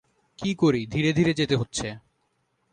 কি করি, ধীরে ধীরে যেতে হচ্ছে।